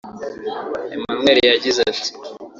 Emanuel yagize ati